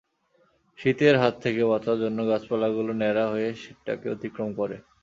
শীতের হাত থেকে বাঁচার জন্য গাছপালাগুলো ন্যাড়া হয়ে শীতটাকে অতিক্রম করে।